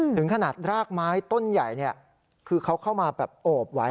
ถึงขนาดรากไม้ต้นใหญ่คือเขาเข้ามาแบบโอบไว้